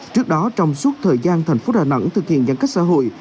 trước đó trong suốt thời gian thành phố đà nẵng thực hiện giãn cách xã hội